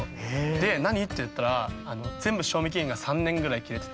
で「何？」って言ったら全部賞味期限が３年ぐらい切れてて。